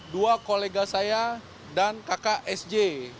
dua kolega saya dan kakak sj